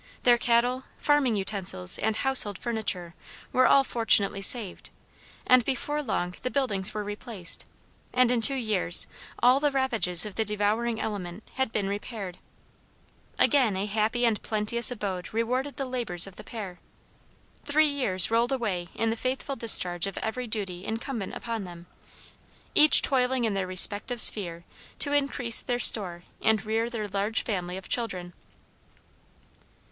Their cattle, farming utensils, and household furniture were all fortunately saved, and before long the buildings were replaced, and in two years all the ravages of the devouring element had been repaired. Again a happy and plenteous abode rewarded the labors of the pair. Three years rolled away in the faithful discharge of every duty incumbent upon them, each toiling in their respective sphere to increase their store and rear their large family of children.